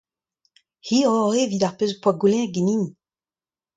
Hiroc'h eo evit ar pezh ho poa goulennet ganin.